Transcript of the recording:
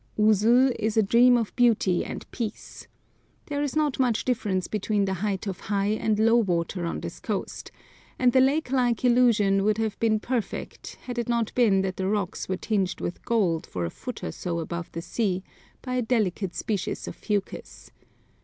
Usu is a dream of beauty and peace. There is not much difference between the height of high and low water on this coast, and the lake like illusion would have been perfect had it not been that the rocks were tinged with gold for a foot or so above the sea by a delicate species of fucus.